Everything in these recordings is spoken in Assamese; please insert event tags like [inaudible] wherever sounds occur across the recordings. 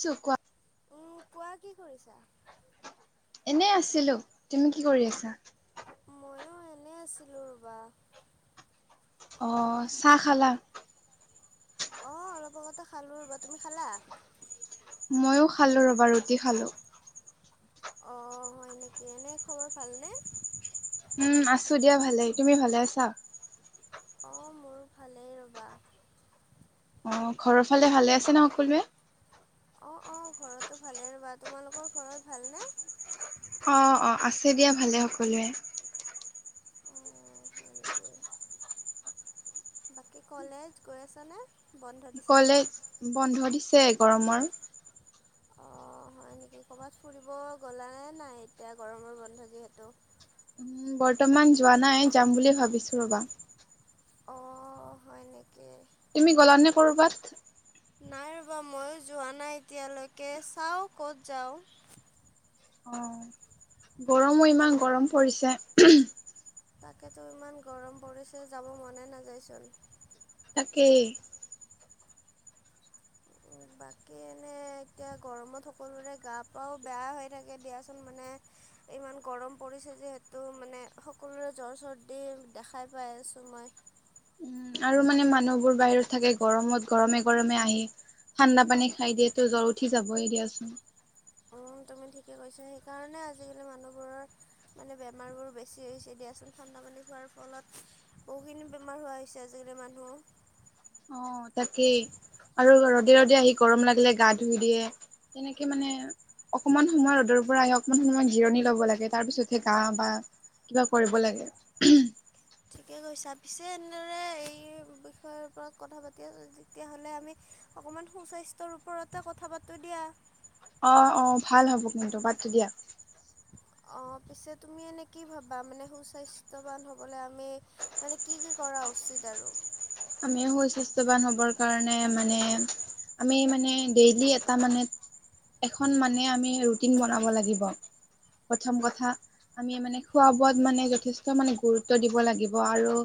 ছো কোৱা উ কোৱা কি কৰিছা? এনে আছিলো। তুমি কি কৰি আছা? ময়ো এনে আছিলোঁ ৰ'বা। অ চাহ খালা। অ অলপ আগতে খালোঁ ৰ'বা। তুমি খালা? মইয়ো খালো ৰবা ৰুটি খালো। অ হয় নেকি, এনেই খবৰ ভালনে? উম আছো দিয়া ভালেই। তুমি ভালে আছা? অ মোৰ ভালেই ৰ'বা। অ ঘৰৰ ফালে ভালে আছে ন সকলোৱে? অ অ ঘৰতো ভালেই ৰ'বা। তোমালোকৰ ঘৰত ভালনে? অ অ আছে দিয়া ভালে সকলোৱে। অ এনেকে বাকী কলেজ গৈ আছানে? বন্ধ দিছে। কলেজ বন্ধ দিছে গৰমৰ। অঁ হয় নিকি ক'ৰবাত ফুৰিব গ'লানে নাই এতিয়া গৰমৰ বন্ধ যিহেতু বৰ্তমান যোৱা নাই যাম বুলি ভাবিছো ৰ'বা অঁ হয় নেকি তুমি গ'লা নে কৰ'বাত নাই ৰ'বা ময়ো যোৱা নাই এতিয়ালৈকে চাওঁ ক'ত যাওঁ অ গৰমো ইমান গৰম পৰিছে তাকেতো ইমান গৰম পৰিছে যাব মনে নাযায় চোন তাকেই বাকী এনেই এতিয়া গৰমত সকলোৰে গা পাও বেয়া হৈ থাকে দিয়াচোন মানে ইমান গৰম পৰিছে যিহেতু মানে সকলোৰে জ্বৰ চৰ্দি দেখাই পাই আছোঁ মই উ আৰু মানে মানুহবোৰ বাহিৰত থাকে গৰমত গৰমে গৰমে আহি ঠাণ্ডা পানী খাই দিয়ে তো জ্বৰ উঠি যাবই দিয়াচোন অ তুমি ঠিকে কৈছা সেইকাৰণে আজিকালি মানুহবোৰৰ মানে বেমাৰবোৰ বেছি হৈছে দিয়াচোন ঠাণ্ডা পানী খোৱাৰ ফলত বহুখিনি বেমাৰ হোৱা হৈছে আজিকালি মানুহৰ অ তাকেই আৰু ৰদে ৰদে আহি গৰম লাগিলে গা ধুই দিয়ে তেনেকে মানে অকণমান সময় ৰ'দৰ পৰা আহি অকমান সময় জিৰণি ল'ব লাগে তাৰ পিছতহে গা বা কিবা কৰিব লাগে ঠিকে কৈছা পিছে এনেদৰে এই বিষয়ৰ ওপৰত কথা পাতি তেতিয়াহ'লে আমি অকণমান সুস্বাস্থ্যৰ ওপৰতে কথা পাতো দিয়া অ অ ভাল হ'ব কিন্তু পাতো দিয়া অ পিছে তুমি এনে কি ভাবা মানে সুস্বাস্থ্যৱান হবলৈ আমি মানে কি কি কৰা উচিত আৰু আমি সুস্বাস্থ্যৱান হবৰ কাৰণে মানে আমি মানে ডেইলি এটা মানে এখন মানে আমি ৰুটিন বনাব লাগিব প্ৰথম কথা আমি মানে খোৱা বোৱাত মানে যথেষ্ট মানে গুৰুত্ব দিব লাগিব আৰু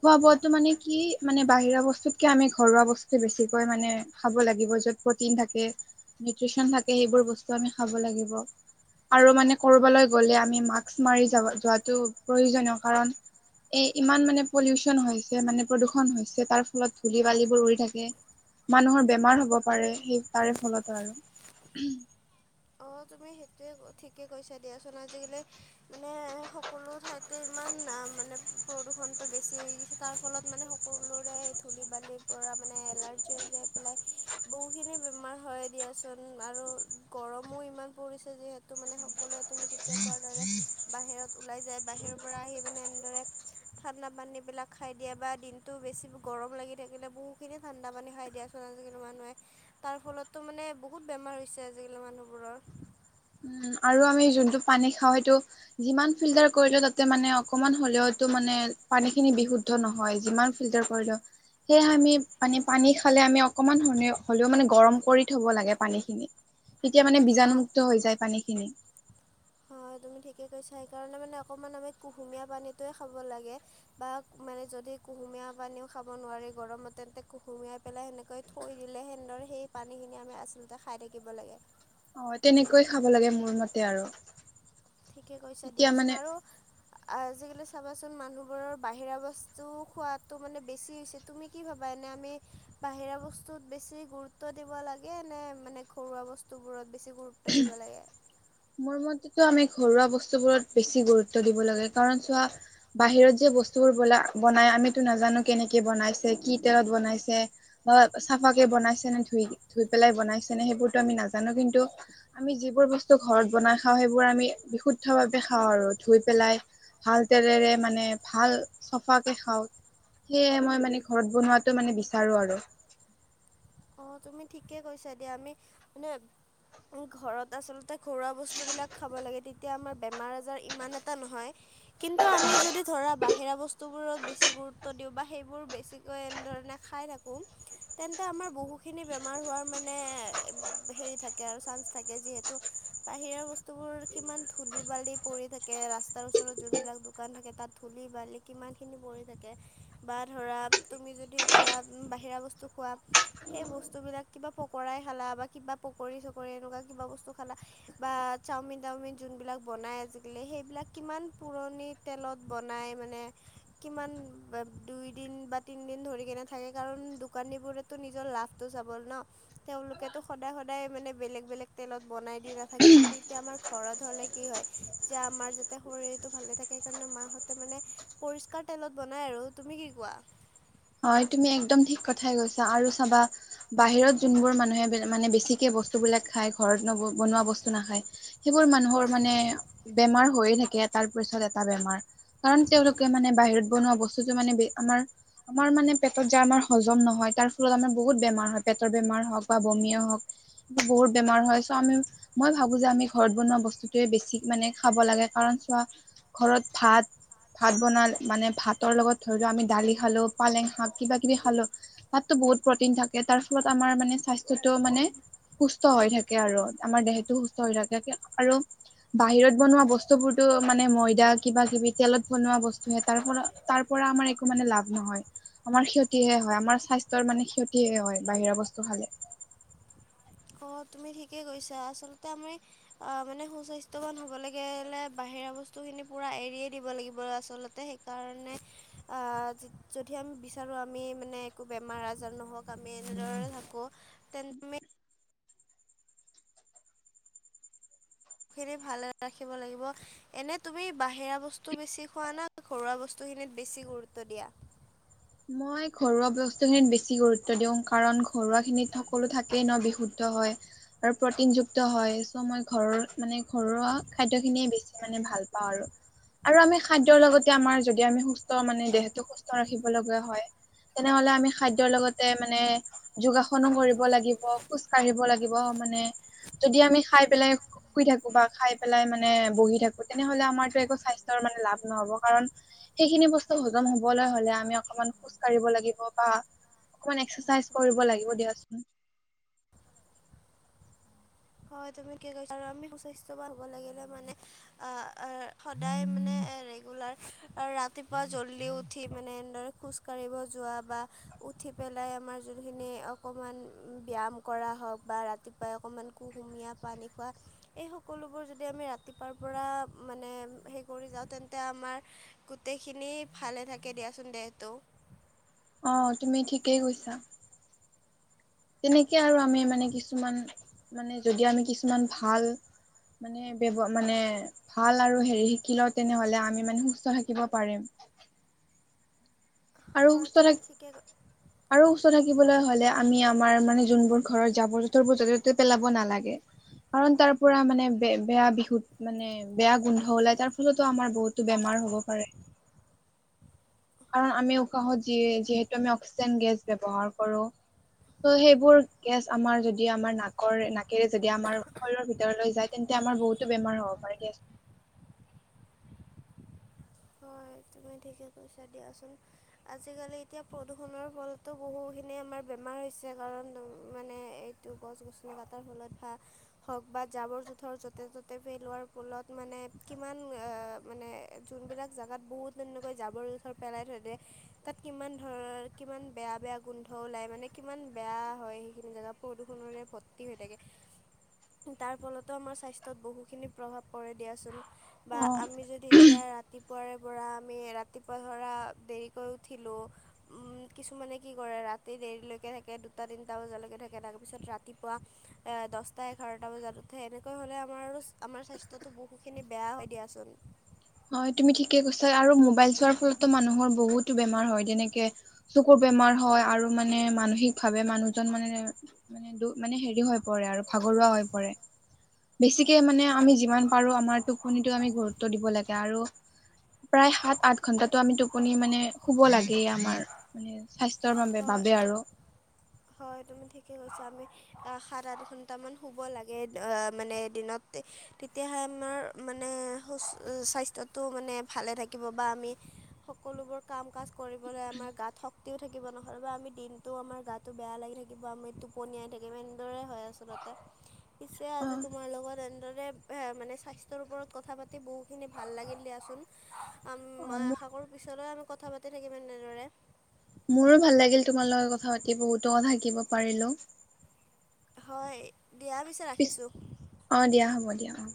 খোৱা বোৱাতো মানে কি মানে বাহিৰা বস্তুতকে আমি ঘৰুৱা বস্তু বেছিকৈ মানে খাব লাগিব য'ত প্ৰটিন থাকে নিউট্ৰিচন থাকে সেইবোৰ বস্তু আমি খাব লাগিব আৰু মানে কৰবালৈ গলে আমি মাস্ক মাৰি যাব যোৱাটো প্ৰয়োজনীয় কাৰণ এ ইমান মানে পলিউচন হৈছে মানে প্ৰদূষন হৈছে তাৰ ফলত ধূলি বালিবোৰ উৰি থাকে মানুহৰ বেমাৰ হ'ব পাৰে সেই তাৰে ফলত আৰু অঁ তুমি সেইটোৱে ঠিকে কৈছা দিয়াচোন আজিকালি মানে সকলো ঠাইতে ইমান না মানে প্ৰদূষণটো বেছি হৈ গৈছে তাৰ ফলত মানে সকলোৰে ধূলি বালিৰ পৰা মানে এলাৰ্জি জী হৈ পেলাই বহুখিনি বেমাৰ হয় দিয়াচোন আৰু গৰম মো ইমান পৰিছে যিহেতু মানে সকলোৱে তুমি তেতিয়া কোৱাৰ দৰে বাহিৰত ওলাই যায় বাহিৰৰ পৰা আহি পিনে এনেদৰে ঠাণ্ডা পানী বিলাক খাই দিয়া বা দিনটো বেছি গৰম লাগি থাকিলে বহুখিনি ঠাণ্ডা পানী খাই দিয়াত ত আজিকালি মানুহে তাৰ ফলত তো মানে বহুত বেমাৰ হৈছে আজিকালি মানুহবোৰৰ উ আৰু আমি যোনটো পানী খাওঁ সেইটো যিমান ফিল্টাৰ কৰিলেও তাতে মানে অকমান হ'লেওতো মানে পানী খিনি বিহুধ দ্ধ নহয় যিমান ফিল্টাৰ কৰিলেও সেয়ে আমি মানে পানী খালে আমি অকমান ধৰণে হ'লেও মানে গৰম কৰি থব লাগে পানী খিনি তেতিয়া মানে হয় বীজাণুমুক্ত হৈ যায় পানী খিনি হয় তুমি ঠিকেই কৈছা সেইকাৰণে মানে অকণমান আমি কুহুমীয়া পানীটোৱে খাব লাগে বা মানে যদি কুহুমীয়া পানীও খাব নোৱাৰে গৰমত তেন্তে কুহুমীয়াই পেলাই সেনেকৈ থৈ দিলে সেন্দৰ সেই পানীখিনি আমি আচলতে খাই থাকিব লাগে অ তেনেকৈয় খাব লাগে মোৰ মতে আৰু ঠিকে কৈছো তেতিয়া মানে দিয়াচোন আৰু আজিকালি চাবাচোন মানুহবোৰৰ বাহিৰা বস্তু খোৱাটো মানে বেছি হৈছে তুমি কি ভাবা এনে আমি বাহিৰা বস্তুত বেছি গুৰুত্ব দিব লাগে নে মানে ঘৰুৱা বস্তু বস্তুবোৰত বেছি গুৰুত্ব দিব লাগে মোৰ মতেতো আমি ঘৰুৱা বস্তুবোৰত বেছি গুৰুত্ব দিব লাগে কাৰণ চোৱা বাহিৰত যে বস্তুবোৰ বল বনাই আমিতো নাজানো কেনেকে বনাইছে কি তেলত বনাইছে বা চাফা কে বনাইছে নে ধুই ধুই পেলাই বনাইছে নে সেইবোৰতো আমি নাজানো জানো কিন্তু আমি যিবোৰ বস্তু ঘৰত বনাই খাওঁ সেইবোৰ আমি বিশুদ্ধ ভাৱে খাওঁ আৰু ধুই পেলাই ভাল তেলেৰে মানে ভাল চফাকে খাওঁ সেয়হে মই মানে ঘৰত বনোৱাাতটো মানে বিচাৰো আৰু অ তুমি ঠিকে কৈছা দিয়া আমি মানে ঘৰত আচলতে ঘৰুৱা বস্তুবিলাক খাব লাগে তেতিয়া আমাৰ বেমাৰ আজাৰ ইমান এটা নহয় কিন্তু আমি যদি ধৰা বাহিৰা বস্তু বস্তুবোৰত বেছি গুৰুত্ব দিওঁ বা সেইবোৰ বেছিকৈণে খাই থাকোঁ তেে আমাৰ বহুখিনি বেমাৰ হোৱাৰ মানে হেৰি থাকে আৰু চান্স থাকে যিহেতু বাহিৰৰ বস্তুবোৰ কিমান ধূলি বালি পৰি থাকে ৰাস্তাৰ ওচৰত যোনবিলাক দুকান থাকে তাত ধূলি বালি কিমানখিনি পৰি থাকে বা ধৰা তুমি যদি এতিয়া বাহিৰা বস্তু খোৱা সেই বস্তুবিলাক কিবা পকৰাই খালা বা কিবা পকৰী চকৰি এনেকুৱা কিবা বস্তু খালা বা চাওমিন চাওমিন যোনবিলাক বনায় আজিকালি সেইবিলাক কিমান পুৰণি তেলত বনায় মানে কিমান দুই দিন বা তিন দিন ধৰি কেনে থাকে কাৰণ দোকানীবোৰ তটো নিজৰ লাভটো চাব ন তেওঁলোকেতটো সদায় সদায় মানে বেলেগ বেলেগ তেলত বনাই দি নাথাকে কিন্তু এতিয়া আমাৰ ঘৰত হলে কি হয় যে আমাৰ যাতে শৰীৰটো ভালে থাকে সেইকাৰণে মাহঁতে মানে পৰিষ্কাৰ তেলত বনাই আৰু তুমি কি কোৱা হয় তুমি একদম ঠিক কথাই কৈছা আৰু চাবা বাহিৰত যোনবোৰ মানুহে মানে ঠিকে বস্তুবিলাক খাই ঘৰত বনোৱা বস্তু নাখায় সেইবোৰ মানুহৰ মানে বেমাৰ হৈয়ে থাকে তাৰপিছত এটা বেমাৰ কাৰণ তেওঁলোকে মানে বাহিৰত বনোৱা বস্তুটো মানে আমাৰ আমাৰ মানে পেটত যাৰ আমাৰ হজম নহয় তাৰ ফলত আমাৰ বহুত বেমাৰ হয় পেটৰ বেমাৰ হওঁক বা বমিয় হওক বহুত বেমাৰ হয় চ' আমি মই ভাবো যে আমি ঘৰত বনোৱা বস্তুতোৱে বেছি মানে খাব লাগে কাৰণ চোৱা ঘৰত ভাত ভাত বনাল মানে ভাতৰ লগত ধৰি লোৱা আমি দালি খালো পালেং শাক কিবা কিবি খালো তাতো বহুত প্ৰটিন থাকে তাৰ ফলত আমাৰ মানে স্বাস্থ্যটো মানে সুস্থ হৈ থাকে আৰু আমাৰ দেহটো সুস্থ হৈ থাকে আৰু বাহিৰত বনোৱা বস্তু বোৰতো মানে ময়দা কিবা কিবি তেলত বনোৱা বস্তু হে তাৰ পৰা তাৰ পৰা আমাৰ একো মানে লাভ নহয় আমাৰ ক্ষতিহে হয় আমাৰ স্বাস্থ্যৰ মানে ক্ষতিহে হয় বাহিৰা বস্তু খালে অ তুমি ঠিকে কৈছা আচলতে আমি আ মানে সুস্বাস্থ্যৱান হ'ব লাগি লে বাহিৰা বস্তুখিনি পুৰা এৰিয়ে দিব লাগিব আচলতে কাৰণে আহ যদি আমি বিচাৰো আমি মানে একো বেমাৰ আজাৰ নহওক আমি এনেদৰে থাকো খিনি ভালে ৰাখিব লাগিব এনে তুমি বাহিৰা বস্তু বেছি খোৱা না ঘৰুৱা বস্তুখিনিত বেছি গুৰুত্ব দিয়া মই ঘৰুৱা বস্তুখিনিত বেছি গুৰুত্ব কাৰণ ঘৰুৱা খিনিত সকলো থাক ট্ৰেইনৰ বিশুদ্ধ হয় আৰু প্ৰটিনযুক্ত হয় চ' মই ঘৰৰ মানে ঘৰুৱা খাদ্য খিনিয়ে বেছি মানে ভাল পাওঁ আৰু আৰু আমি খাদ্যৰ লগতে আমাৰ যদি আমি সুস্থ মানে দেহটো সুস্থ ৰাখিব লগা হয় তেনেহলে আমি খাদ্যৰ লগতে মানে যোগাসনো কৰিব লাগিব খোজ কাঢ়িব লাগিব মানে যদি আমি খাই পেলাই শুই থাকো বা খাই পেলাই মানে বহি থাকো তেনেহলে আমাৰতো একো স্বাস্থ্যৰ মানে লাভ নহব কাৰণ সেইখিনি বস্তু হজম হবলৈ হ'লে আমি অকনমান কাঢ়িব লাগিব বা অকমান এক্সাইজ কৰিব লাগিব দিয়চোন হয় তুমি ঠিকেই কৈছা আৰু আমি সুস্বাস্থ্যৱান হ'ব লাগিলে মানে আহ সদায় মানে ৰেগুলাৰ আৰু ৰাতিপুৱা জল্দি উঠি মানে এনেদৰে খোজ কাঢ়িব যোৱা বা উঠি পেলাই আমাৰ যোনখিনি অকণমান ব্যায়াম কৰা হওক বা ৰাতিপুৱাই অকণমান কুহুমীয়া পানী খোৱা এই সকলোবোৰ যদি আমি ৰাতিপুৱাৰ পৰা মানে সেই কৰি যাওঁ তেন্তে আমাৰ গোটেই খিনি ভালে থাকে দিয়াচোন দেহটো অ তুমি ঠিকেই কৈছা তেনেকে আৰু আমি হয় মানে কিছুমান মানে যদি আমি কিছুমান ভাল মানে ব্যৱ মানে ভাল আৰু হেৰি শিকিও তেনেহ'লে আমি মানে সুস্থ থাকিব পাৰিম আৰু হয় সুস্থ তুমি থাক ঠিকে আৰু সুস্থ থাকিবলৈ হলে আমি আমাৰ মানে যোনবোৰ ঘৰৰ জাবৰ জোথৰবোৰ যতে ত'তে পেলাব নালাগে কাৰণ তাৰ পৰা মানে বেয়া বিখোত মানে বেয়া গোন্ধ ওলাই তাৰ ফলতো আমাৰ বহুতো আমাৰ বেমাৰ বহুত হ'ব পাৰে কাৰণ আমি উশাহত যি যিহেতু আমি অক্সিজেন গেছ ব্যৱহাৰ কৰো ত' সেইবোৰ গেছ আমাৰ যদি আমাৰ নাকৰ নাকেৰে যদি আমাৰ শৰীৰৰ ভিতৰলৈ যায় তেন্তে আমাৰ বহুতো বেমাৰ হ'ব পাৰে দিয়াচোন হয় তুমি ঠিকেই কৈছা দিয়াচোন আজিকালি এতিয়া প্ৰদূষণৰ ফলতো বহুখিনি আমাৰ বেমাৰ হৈছে কাৰণ মানে এই টো গছ গছনি কাটাৰ ফলত বা হওক বা জাবৰ জোথৰ য'তে ত'তে পেলোৱাৰ ফলত মানে কিমান অ মানে যোনবিলাক জেগাত বহুত তেনেকৈ জাবৰ জোথৰ পেলাই থৈ দিয়ে তাত কিমান ধৰ কিমান বেয়া বেয়া গোন্ধ ওলাই মানে কিমান বেয়া হয় সেইখিনি জেগা প্ৰদূষণৰে ভৰ্তি হৈ থাকে তাৰ ফলতো আমাৰ স্বাস্থ্যত বহুখিনি প্ৰভাৱ পৰে দিয়াচোন বা অ আমি যদি এতিয়া ৰা ৰাতিপুৱাৰে পৰা আমি ৰাতিপুৱা ধৰা দেৰিকৈ উঠিলোঁ উম কিছুমানে কি কৰে ৰাতি দেৰিলৈকে থাকে দুটা তিনিটা বজালৈকে থাকে তাৰপিছত ৰাতিপুৱা এ দছটা এঘাৰটা বজাত উঠে এনেকৈ হলে আমাৰ আৰু আমাৰ স্বাস্থ্যত টো বহুখিনি বেয়া হয় দিয়াচোন হয় তুমি ঠিকে কৈছা আৰু মোবাইল চোৱাৰ ফলতো মানুহৰ বহুতো বেমাৰ হয় যেনেকে চকুৰ বেমাৰ হয় আৰু মানে মানসিক ভাৱে মানুহজন মানে মানে দু মানে হেৰি হয় পৰে আৰু ভাগৰুৱা হৈ পৰে বেছিকে মানে, আমি যিমান পাৰোঁ, আমাৰ টোপনিতো আমি গুৰুত্ব দিব লাগে। আৰু, প্ৰায় সাত, আঠ ঘন্টাটো আমি টোপনি মানে শুব লাগেই আমাৰ। মানে স্বাস্থ্যৰ বাবে, হয় বাবে তুম আৰু। হয়, তুমি ঠিকে কৈছা, আমি আহ সাত, আঠ ঘন্টা মান শুব লাগে আহ মানে দিনত। তেতিয়াহে আমাৰ মানে সু স্বাস্থ্যটো মানে ভালে থাকিব বা আমি সকলোবোৰ কাম-কাজ কৰিবলৈ আমাৰ গাত শক্তিও থাকিব থাকিব নহ'লে বা আমি দিনটো আমাৰ গাটো বেয়া লাগি থাকিব আমি টোপনি আহি থাকিব এনেদৰেই হয় আচলতে। [inaudible] পিছে অ আজি তোমাৰ লগত এনেদৰে মানে স্বাস্থ্যৰ ওপৰত কথা পাতি বহুখিনি ভাল লাগিল দিয়াচোন। অ মই মোৰ আশা কৰো পিছলৈ আমি কথা-পাতি থাকিম এনেদৰে। মোৰো ভাল লাগিল তোমাৰ লগত কথা পাতি বহুতো কথা শিকিব পাৰিলো। হয়, দিয়া পিছে পিছ ৰাখিছোঁ। অ', দিয়া হব দিয়া অ'।